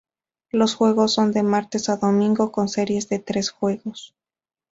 Los juegos son de martes a domingo con series de tres juegos.